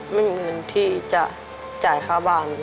ไม่มีเงินที่จะจ่ายค่าบ้าน